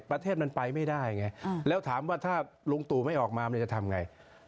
ประเทศมันไปไม่ได้ไงแล้วถามว่าถ้าลุงตู่ไม่ออกมามันจะทำไง